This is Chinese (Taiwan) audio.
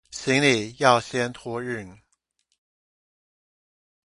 行李要先托運